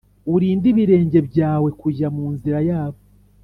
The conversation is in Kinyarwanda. , Urinde ibirenge byawe kujya mu nzira yabo,